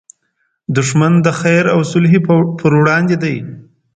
دښمن د خیر او صلحې پر وړاندې دی